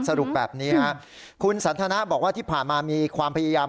สรุปแบบนี้ฮะคุณสันทนาบอกว่าที่ผ่านมามีความพยายาม